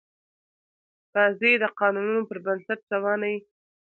بازي د قانونونو پر بنسټ روانه يي.